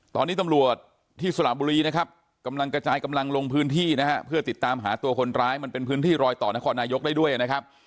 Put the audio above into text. ตอนนี้ตำรวจที่สระบุรีนะครับกำลังกระจายกำลังลงพื้นที่นะฮะเพื่อติดตามหาตัวคนร้ายมันเป็นพื้นที่รอยต่อนครนายกได้ด้วยนะครับ